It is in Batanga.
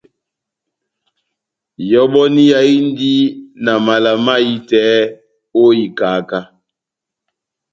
Ihɔbɔniya indi na mala mahitɛ ó ikaká.